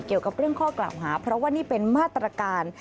เกี่ยวกับเรื่องข้อกล่าวหาเพราะว่านี่เป็นมาตรการ